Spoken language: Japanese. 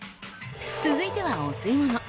続いてはお吸い物。